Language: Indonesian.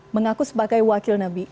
mengaku sebagai wakil nabi